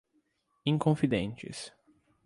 Inconfidentes